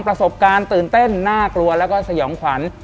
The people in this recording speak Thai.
ประสบการณ์ตื่นเต้นน่ากลัวแล้วก็สยองขวัญ